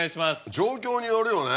状況によるよね。